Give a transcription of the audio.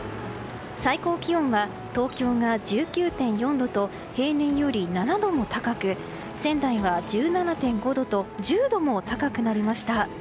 最高気温は、東京が１９．４度と平年より７度も高く仙台は１７．５度と１０度も高くなりました。